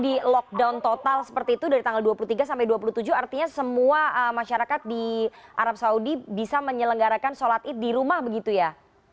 di lockdown total seperti itu dari tanggal dua puluh tiga sampai dua puluh tujuh artinya semua masyarakat di arab saudi bisa menyelenggarakan sholat id di rumah begitu ya